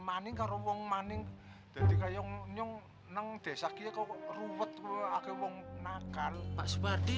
maning maning jadi kayak nyung nang desa kia kok rupet aku nakan pak soewardi